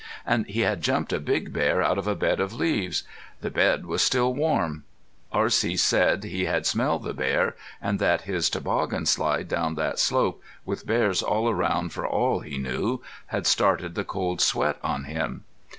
And he had jumped a big bear out of a bed of leaves. The bed was still warm. R.C. said he had smelled bear, and that his toboggan slide down that slope, with bears all around for all he knew, had started the cold sweat on him.